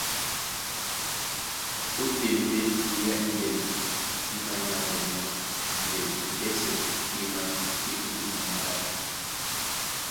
Ótên ndé wéá indɛ́nɛ í mānyámwɛlɛnɔ́ ɓeyɛy ɓɛ́sɛ̄ ɓéná ɓé e ot́téten a maɗále.